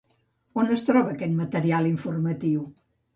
On es troba aquest material informatiu?